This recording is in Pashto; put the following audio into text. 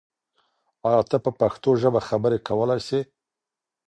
آیا ته په پښتو ژبه خبرې کولای سې؟